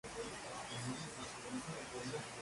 El territorio está atravesado por el arroyo Arno.